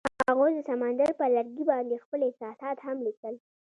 هغوی د سمندر پر لرګي باندې خپل احساسات هم لیکل.